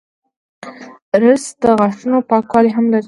رس د غاښونو پاکوالی هم لري